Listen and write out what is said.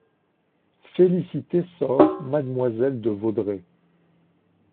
Félicité sort MADEMOISELLE DE VAUDREY.